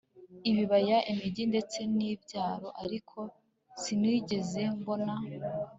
ibibaya imigi ndetse nibyaro ariko sinigeze mbona